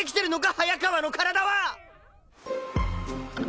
早川の体は！